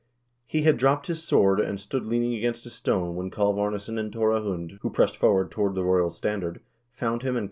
He had dropped his sword and stood leaning against a stone when Kalv Arnesson and Tore Hund, who pressed forward toward the royal standard, found him and cut him down.